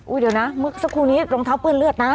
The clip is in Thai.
เดี๋ยวนะเมื่อสักครู่นี้รองเท้าเปื้อนเลือดนะ